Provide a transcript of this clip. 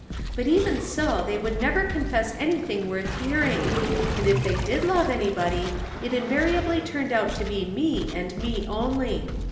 But even so they would never confess anything worth hearing, and if they did love anybody it invariably turned out to be me and me only.